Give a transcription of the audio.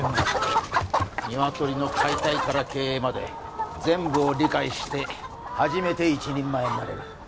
ニワトリの解体から経営まで全部を理解して初めて一人前になれる。